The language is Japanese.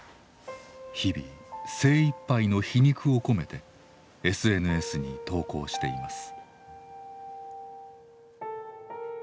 日々精いっぱいの皮肉を込めてＳＮＳに投稿しています。